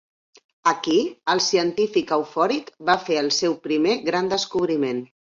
Aquí els científics eufòric va fer el seu primer gran descobriment.